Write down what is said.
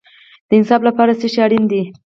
د انصاف لپاره څه شی اړین دی؟